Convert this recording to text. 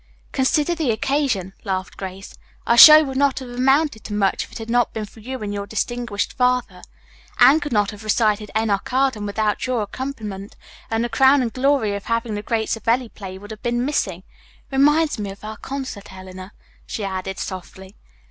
"Consider the occasion," laughed Grace. "Our show would not have amounted to much if it had not been for you and your distinguished father. Anne could not have recited 'Enoch Arden,' without your accompaniment, and the crowning glory of having the great Savelli play would have been missing. It reminds me of our concert, Eleanor," she added softly.